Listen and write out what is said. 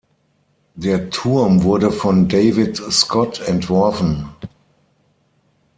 Der Turm wurde von David Scott entworfen.